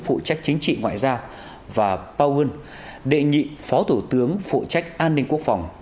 phụ trách chính trị ngoại giao và pau huynh đệ nhị phó thủ tướng phụ trách an ninh quốc phòng